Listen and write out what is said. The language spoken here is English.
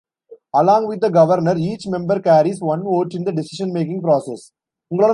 Along with the Governor, each member carries one vote in the decision making process.